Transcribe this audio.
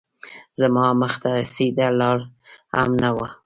زما مخ ته سیده لار هم نه وه